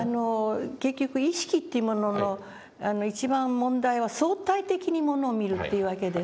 結局意識っていうものの一番問題は相対的にものを見るっていうわけですね。